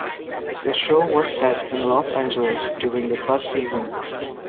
The show was set in Los Angeles during the first season.